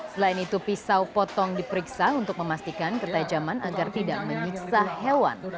selain itu pisau potong diperiksa untuk memastikan ketajaman agar tidak menyiksa hewan